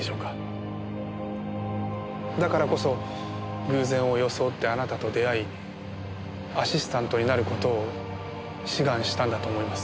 だからこそ偶然を装ってあなたと出会いアシスタントになる事を志願したんだと思います。